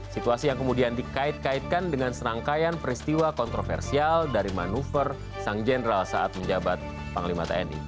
situasi yang kemudian dikait kaitkan dengan serangkaian peristiwa kontroversial dari manuver sang jenderal saat menjabat panglima tni